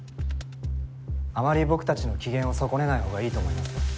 あまり僕たちの機嫌を損ねないほうがいいと思いますよ。